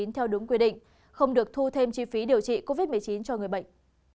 theo đúng quy định không được thu thêm chi phí điều trị covid một mươi chín cho người bệnh